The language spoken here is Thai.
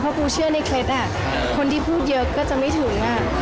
ปูเชื่อในเคล็ดคนที่พูดเยอะก็จะไม่ถึง